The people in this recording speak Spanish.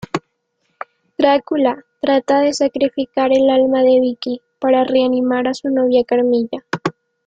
Drácula trata de sacrifica el alma de Vicki para reanimar a su novia Carmilla.